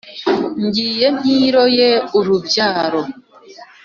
ngiye ntiroye urubyaro